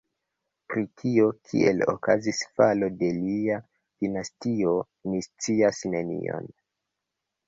Pri tio, kiel okazis falo de lia dinastio, ni scias nenion.